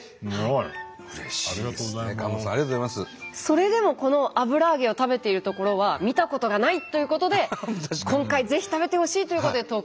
それでもこの油揚げを食べているところは見たことがない！ということで今回ぜひ食べてほしいということで投稿していただきました。